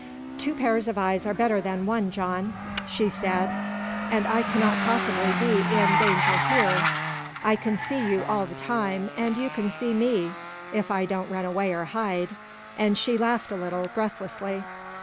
"Two pairs of eyes are better than one, John," she said, "and I cannot possibly be in danger here. I can see you all the time, and you can see me if I don't run away, or hide." And she laughed a little breathlessly.